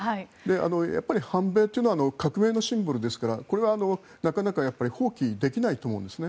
やっぱり反米というのは革命のシンボルですからこれはなかなか放棄できないと思うんですね。